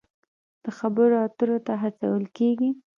د خبرو اترو ته هڅول کیږي.